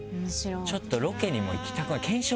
ちょっとロケにも行きたく。